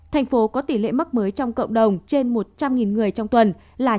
thành phố có tỷ lệ mắc mới trong cộng đồng trên một trăm linh người trong tuần là chín